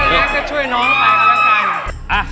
อย่ากลับช่วยน้องไปก็ได้กัน